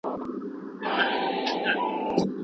زلمي کلونه د زمان پر ګوتو ورغړېدل